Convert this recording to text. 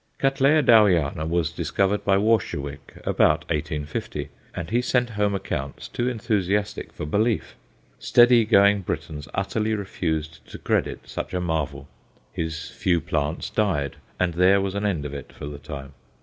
C. Dowiana was discovered by Warscewicz about 1850, and he sent home accounts too enthusiastic for belief. Steady going Britons utterly refused to credit such a marvel his few plants died, and there was an end of it for the time.